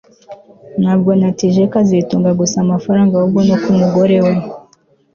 Ntabwo natije kazitunga gusa amafaranga ahubwo no ku mugore we